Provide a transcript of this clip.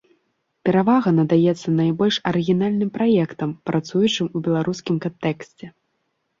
Перавага надаецца найбольш арыгінальным праектам, працуючым у беларускім кантэксце.